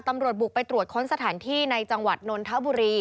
บุกไปตรวจค้นสถานที่ในจังหวัดนนทบุรี